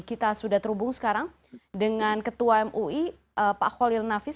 kita sudah terhubung sekarang dengan ketua mui pak holil nafis